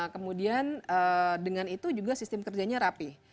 kemudian dengan itu juga sistem kerjanya rapih